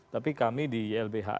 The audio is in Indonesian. tapi kami di ilbhi